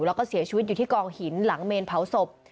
แล้วก็เสียชีวิตอยู่ที่กองหินหลังเมนเผาศพ